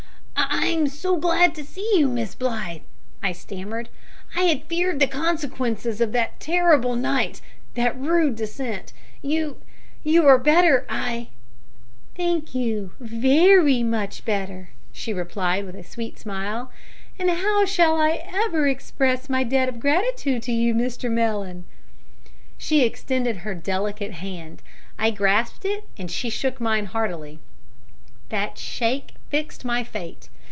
"I am so glad to see you, Miss Blythe," I stammered; "I had feared the consequences of that terrible night that rude descent. You you are better, I " "Thank you; very much better," she replied, with a sweet smile; "and how shall I ever express my debt of gratitude to you, Mr Mellon?" She extended her delicate hand. I grasped it; she shook mine heartily. That shake fixed my fate.